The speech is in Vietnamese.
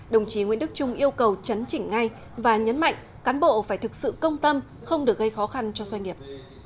đồng chí nguyễn đức trung yêu cầu chấn chỉnh ngay và nhấn mạnh cán bộ phải thực sự công tâm không được gây khó khăn cho doanh nghiệp